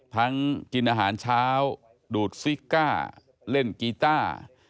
กินอาหารเช้าดูดซิกก้าเล่นกีต้า